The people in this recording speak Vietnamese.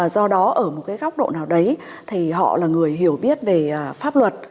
do đó ở một cái góc độ nào đấy thì họ là người hiểu biết về pháp luật